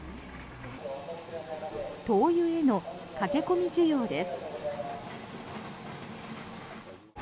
灯油への駆け込み需要です。